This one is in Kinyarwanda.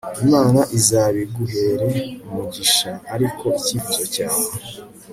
Imana izabiguhere umugisha ariko icyifuzo cyawe